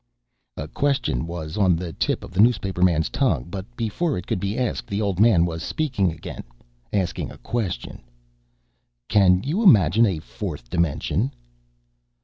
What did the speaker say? A question was on the tip of the newspaperman's tongue, but before it could be asked the old man was speaking again, asking a question: "Can you imagine a fourth dimension?"